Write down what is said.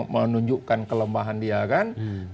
menunjukkan kelemahan dia kan